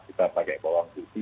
kita pakai bawang susi